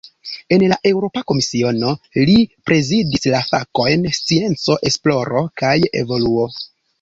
En la Eŭropa Komisiono, li prezidis la fakojn "scienco, esploro kaj evoluo".